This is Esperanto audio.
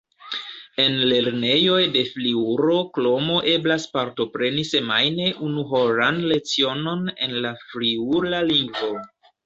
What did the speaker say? En lernejoj de Friulo kromo eblas partopreni semajne unuhoran lecionon en la friula lingvo.